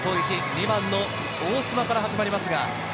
２番の大島から始まります。